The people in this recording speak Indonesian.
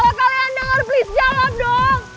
oh kalian denger please jawab dong